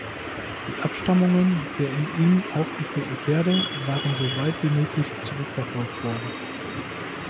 Die Abstammungen der in ihm aufgeführten Pferde waren so weit wie möglich zurückverfolgt worden.